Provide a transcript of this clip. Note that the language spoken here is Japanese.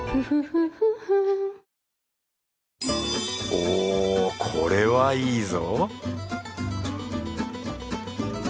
おおこれはいいぞ